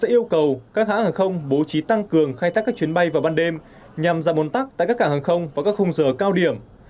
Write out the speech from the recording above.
yêu cầu các hãng không bố trí tăng cường khai tác các chuyến bay vào ban đêm nhằm ra môn tắc tại các cảng hàng không và các khung giờ cao điểm